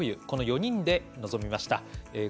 この４人で臨みました。